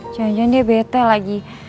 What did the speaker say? jangan jangan dia bete lagi